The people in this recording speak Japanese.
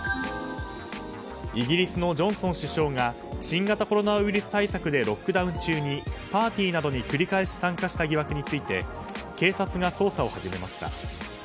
イギリスのジョンソン首相が新型コロナウイルス対策でロックダウン中にパーティーなどに繰り返し参加した疑惑について検察が捜査を始めました。